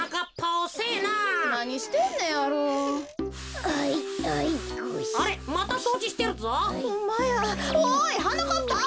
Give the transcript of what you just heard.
おいはなかっぱ。